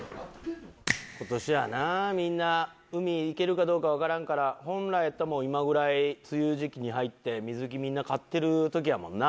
今年はなみんな海行けるかどうかわからんから本来やったらもう今ぐらい梅雨時期に入って水着みんな買ってる時やもんな。